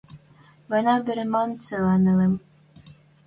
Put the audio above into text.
«Война веремӓн цилӓ нелӹм